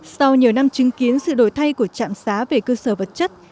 sau nhiều năm chứng kiến sự đổi thay của trạm xá về cơ sở vật chất